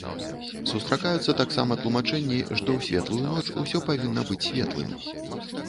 Сустракаюцца таксама тлумачэнні, што ў светлую ноч усё павінна быць светлым.